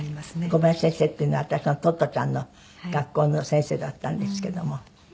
小林先生っていうのは私のトットちゃんの学校の先生だったんですけども。